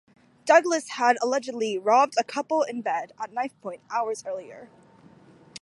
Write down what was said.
Douglas had allegedly robbed a couple in bed at knifepoint hours earlier.